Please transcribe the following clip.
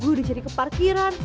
gua udah jadi ke parkiran